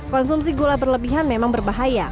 konsumsi gula berlebihan memang berbahaya